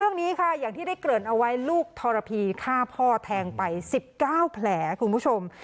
เรื่องนี้ค่ะอย่างที่ได้เกริ่นเอาไว้ลูกทรพีฆ่าพ่อแทงไป๑๙แผลคุณผู้ชม